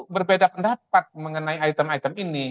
berbeda pendapat mengenai item item ini